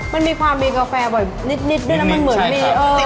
มันมีความมีกาแฟบ่อยนิดด้วย